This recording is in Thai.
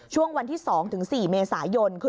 ช่วงวันที่๒๔เมษายน